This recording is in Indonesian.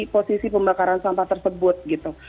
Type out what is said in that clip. posisi pembakaran sampah tersebut gitu